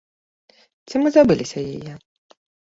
Ці мы забыліся яе?